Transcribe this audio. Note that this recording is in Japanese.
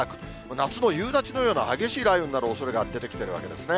夏の夕立のような激しい雷雨になるおそれが出てきてるわけですね。